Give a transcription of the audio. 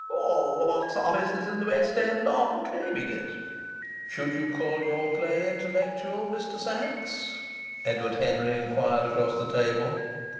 All the box offices in the West are proclaiming it " "Should you call your play intellectual, Mr. Sachs?" Edward Henry inquired across the table.